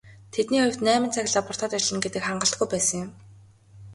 Тэдний хувьд найман цаг лабораторид ажиллана гэдэг хангалтгүй байсан юм.